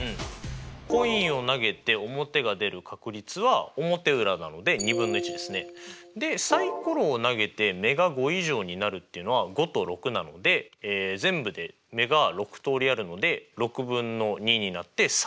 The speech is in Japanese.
コインを投げて表が出る確率は表裏なので２分の１ですね。でサイコロを投げて目が５以上になるっていうのは５と６なので全部で目が６通りあるので６分の２になって３分の１ですよね。